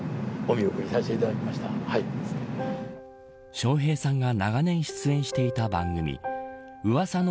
笑瓶さんが長年出演していた番組噂の！